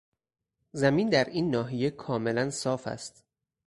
زمین در این ناحیه کاملا صاف است.